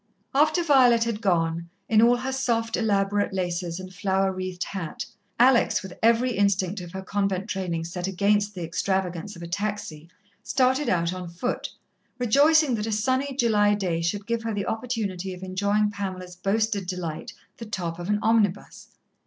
After Violet had gone, in all her soft, elaborate laces and flower wreathed hat, Alex, with every instinct of her convent training set against the extravagance of a taxi, started out on foot, rejoicing that a sunny July day should give her the opportunity of enjoying Pamela's boasted delight, the top of an omnibus.